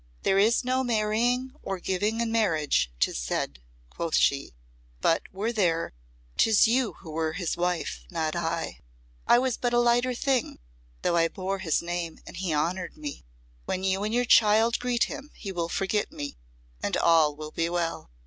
"There is no marrying or giving in marriage, 'tis said," quoth she; "but were there, 'tis you who were his wife not I. I was but a lighter thing, though I bore his name and he honoured me. When you and your child greet him he will forget me and all will be well."